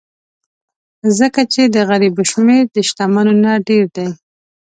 ځکه چې د غریبو شمېر د شتمنو نه ډېر دی.